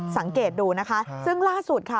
สังเกตดูนะคะซึ่งล่าสุดค่ะ